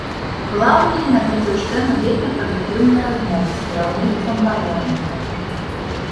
Была ў мяне на гэтую ж тэму вельмі прадуктыўная размова з кіраўніцтвам парламента.